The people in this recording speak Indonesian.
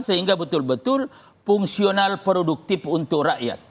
sehingga betul betul fungsional produktif untuk rakyat